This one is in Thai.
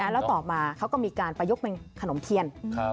แล้วต่อมาเขาก็มีการประยุกต์เป็นขนมเทียน